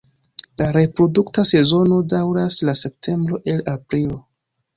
La reprodukta sezono daŭras de septembro al aprilo.